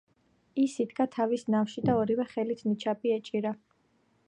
ის იდგა თავის ნავში და ორივე ხელით ნიჩაბი ეჭირა.